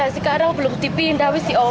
sekarang belum dipindah masih dioprak duluan